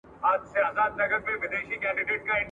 الاهو دي نازولي دي غوږونه؟ `